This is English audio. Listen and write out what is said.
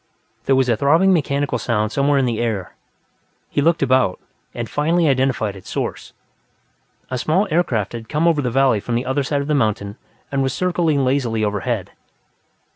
There was a throbbing mechanical sound somewhere in the air; he looked about, and finally identified its source. A small aircraft had come over the valley from the other side of the mountain and was circling lazily overhead.